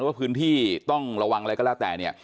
ว่าพื้นที่ต้องระวังอะไรก็แล้วแต่เนี่ย